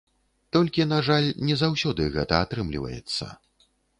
Толькі, на жаль, не заўсёды гэта атрымліваецца.